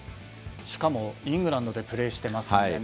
しかも、イングランドでプレーしてますからね。